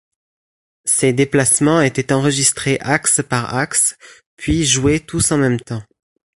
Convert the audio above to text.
Ces déplacements étaient enregistrés axe par axe, puis joués tous en même temps.